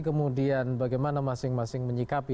kemudian bagaimana masing masing menyikapi